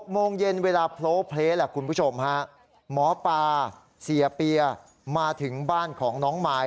โมงเย็นเวลาโพลเพลแหละคุณผู้ชมฮะหมอปลาเสียเปียมาถึงบ้านของน้องมาย